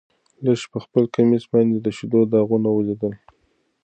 لښتې په خپل کمیس باندې د شيدو داغونه ولیدل.